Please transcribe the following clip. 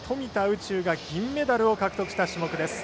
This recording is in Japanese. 宇宙が銀メダルを獲得した種目です。